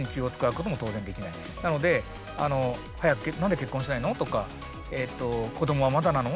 なので「何で結婚しないの？」とか「子どもはまだなの？